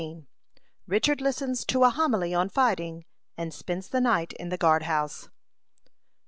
RICHARD LISTENS TO A HOMILY ON FIGHTING, AND SPENDS THE NIGHT IN THE GUARD HOUSE.